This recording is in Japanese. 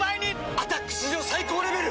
「アタック」史上最高レベル！